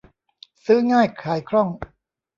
ซื้อง่ายขายคล่อง